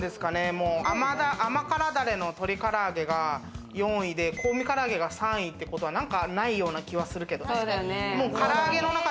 甘からだれの鶏唐揚げが４位で、香味唐揚げが３位ってことはないような気はするけどね。